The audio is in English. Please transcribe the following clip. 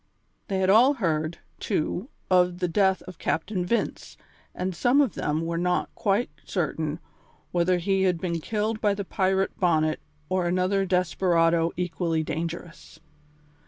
They had all heard, too, of the death of Captain Vince, and some of them were not quite certain whether he had been killed by the pirate Bonnet or another desperado equally dangerous.